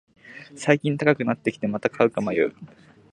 最近高くなってきて、また買うか迷う